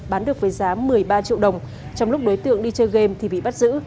bán được với giá một mươi ba triệu đồng trong lúc đối tượng đi chơi game thì bị bắt giữ